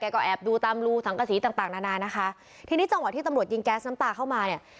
ก็แอบดูตามรูสังกษีต่างต่างนานานะคะทีนี้จังหวะที่ตำรวจยิงแก๊สน้ำตาเข้ามาเนี่ย